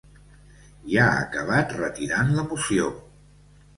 I ha acabat retirant la moció.